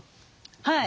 はい。